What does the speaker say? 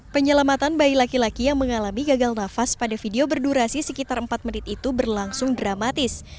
penyelamatan bayi laki laki yang mengalami gagal nafas pada video berdurasi sekitar empat menit itu berlangsung dramatis